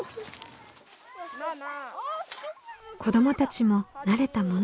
子どもたちも慣れたもの。